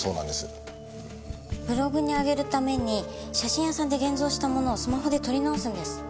ブログに上げるために写真屋さんで現像したものをスマホで撮り直すんです。